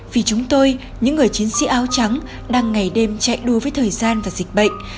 vì chúng tôi những người chiến sĩ áo trắng đang ngày đêm chạy đua với thời gian và dịch bệnh